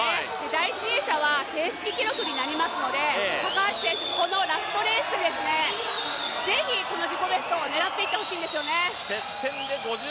第１泳者は正式記録になりますので高橋選手、このラストレース是非、自己ベストを狙っていってほしいんですよね。